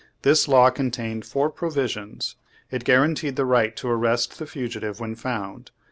This law contained four provi sions. It guaranteed the right to arrest the fugi tive when found.